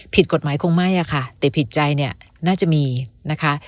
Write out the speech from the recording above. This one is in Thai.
ผิดกฎหมายคงไม่อะค่ะแต่ผิดใจเนี่ยน่าจะมีนะคะ